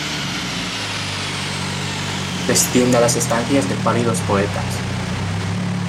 Desciende a las estancias de pálidos poetas.